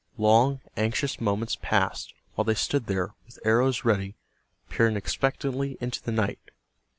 Long, anxious moments passed while they stood there, with arrows ready, peering expectantly into the night.